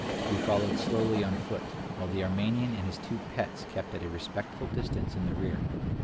We followed slowly on foot, while II 53 the Armenian and his two pets kept at a respectful distance in the rear.